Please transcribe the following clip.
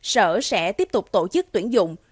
sở sẽ tiếp tục tổ chức tuyển dụng